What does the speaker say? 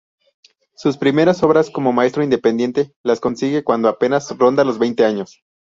Sus primeras obras como maestro independiente las consigue cuando apenas ronda los veinte años.